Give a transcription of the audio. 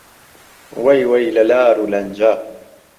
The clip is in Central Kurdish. وهی وهی له لار و لهنجه